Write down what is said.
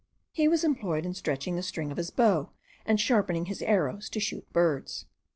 He was employed in stretching the string of his bow, and sharpening his arrows to shoot birds.